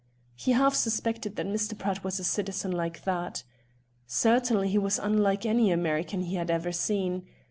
He half suspected that Mr. Pratt was a citizen like that. Certainly he was unlike any American he had seen.